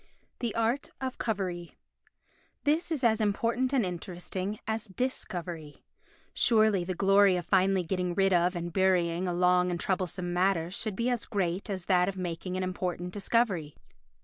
The Art of Covery This is as important and interesting as Dis covery. Surely the glory of finally getting rid of and burying a long and troublesome matter should be as great as that of making an important discovery.